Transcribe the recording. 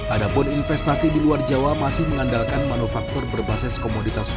adapun investasi di luar jawa masih mengandalkan manufaktur berbasis komunitas